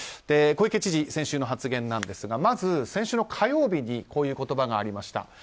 小池知事、先週の発言ですがまず、先週の火曜日にこういう言葉がありました。